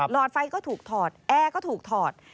อดไฟก็ถูกถอดแอร์ก็ถูกถอด